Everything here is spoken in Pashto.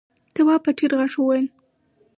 تواب په ټيټ غږ وويل: